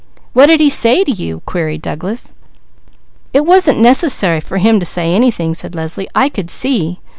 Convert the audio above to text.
"What did he say to you?" queried Douglas. "It wasn't necessary for him to say anything," said Leslie. "I could see.